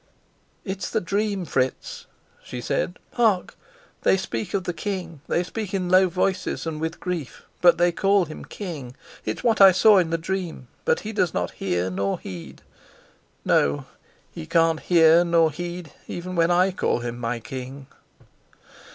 "It is the dream, Fritz," she said. "Hark! They speak of the king; they speak in low voices and with grief, but they call him king. It's what I saw in the dream. But he does not hear nor heed. No, he can't hear nor heed even when I call him my king."